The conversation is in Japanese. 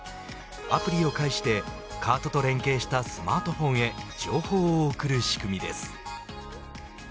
アプリを介してカートと連携したスマートフォンへ情報を送る仕組みです。